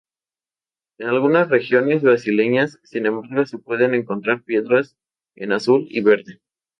En algunas regiones brasileñas, sin embargo, se pueden encontrar piedras en azul y verde.